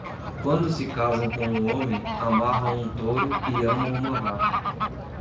Quando se casam com o homem, amarram um touro e amam uma vaca.